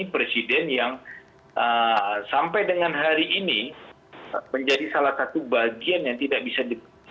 presiden yang sampai dengan hari ini menjadi salah satu bagian yang tidak bisa